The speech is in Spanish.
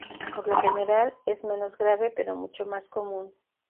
Por lo general es menos grave, pero mucho más común.